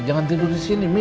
jangan tidur di sini